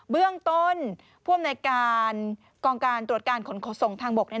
เบื้องต้นผู้อำนวยการกองการตรวจการขนส่งทางบก